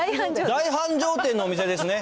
大繁盛店のお店ですね。